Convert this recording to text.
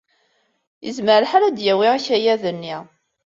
Yezmer lḥal ad d-yawi akayad-nni.